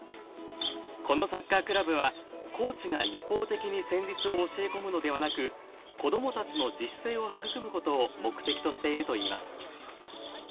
このサッカークラブはコーチが一方的に戦術を教え込むのではなく子どもたちの自主性を育むことを目的としているといいます